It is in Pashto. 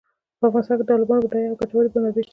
په افغانستان کې د تالابونو بډایه او ګټورې منابع شته.